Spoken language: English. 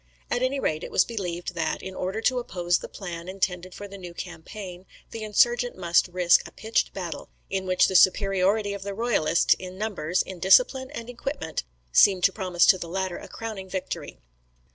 At any rate it was believed that, in order to oppose the plan intended for the new campaign, the insurgents must risk a pitched battle, in which the superiority of the royalists, in numbers, in discipline, and in equipment, seemed to promise to the latter a crowning victory.